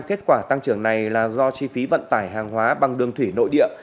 kết quả tăng trưởng này là do chi phí vận tải hàng hóa bằng đường thủy nội địa